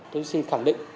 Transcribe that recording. tôi xin khẳng định